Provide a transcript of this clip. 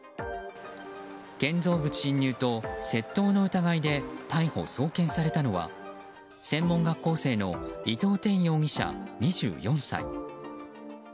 建造物侵入と窃盗の疑いで逮捕・送検されたのは専門学校生の伊藤天容疑者、２４歳。